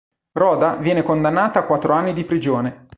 Rhoda viene condannata a quattro anni di prigione.